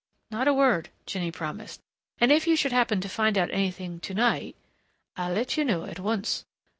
"Not a word," Jinny promised. "And if you should happen to find out anything to night " "I'll let you know at once.